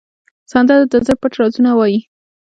سندره د زړه پټ رازونه وایي